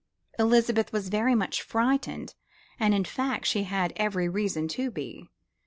Elizabeth was very much frightened, and in fact she had every reason to be.